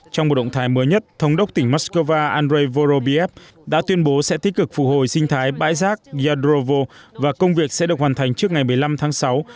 trong một động thái mới nhất thống đốc tỉnh moscow andrei vorobiev đã tuyên bố sẽ tích cực phụ hồi sinh thái bãi rác yadrovo và công việc sẽ được hoàn thành trước ngày một mươi năm tháng sáu